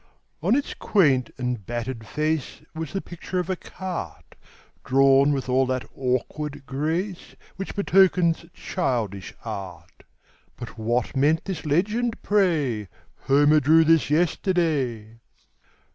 On its quaint and battered face Was the picture of a cart, Drawn with all that awkward grace Which betokens childish art; But what meant this legend, pray: "Homer drew this yesterday?"